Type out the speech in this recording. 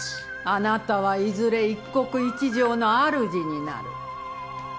あなたはいずれ一国一城の主になる。